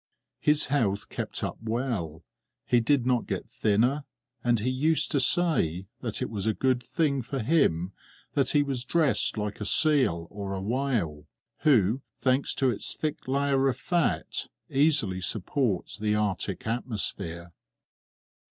His health kept up well; he did not get thinner, and he used to say that it was a good thing for him that he was dressed like a seal or a whale, who, thanks to its thick layer of fat, easily supports the Arctic atmosphere.